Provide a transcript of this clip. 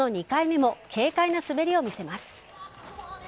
２回目も軽快な滑りを見せます。